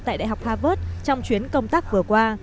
tại đại học harvard trong chuyến công tác vừa qua